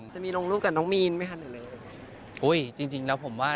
วันเกิดด้วยวันอื่นหายด้วย